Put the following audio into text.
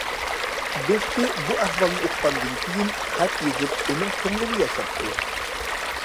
دوستى بۇ ئەھۋالنى ئۇققاندىن كېيىن، خەت يېزىپ، ئۇنىڭ كۆڭلىنى ياساپتۇ.